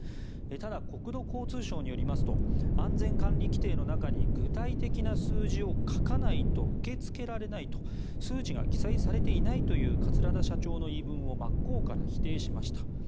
ただ、国土交通省によりますと安全管理規定の中に具体的な数字を書かないと受け付けられないと数値が記載されていないという桂田社長の言い分を真っ向から否定しました。